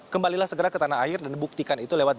kembalilah segera ke tanah air dan buktikan itu lewat